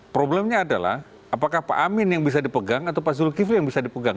problemnya adalah apakah pak amin yang bisa dipegang atau pak zulkifli yang bisa dipegang